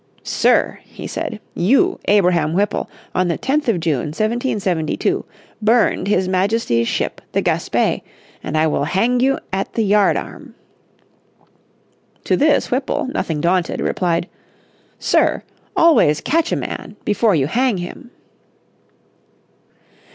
"Sir," he said, "you, Abraham Whipple, on the 10th of June, 1772, burned his Majesty's ship the Gaspé, and I will hang you at the yardarm." To this Whipple, nothing daunted, replied: "Sir, always catch a man before you hang him."